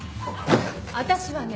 私はね